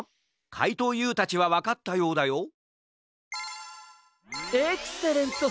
かいとうＵたちはわかったようだよエクセレント！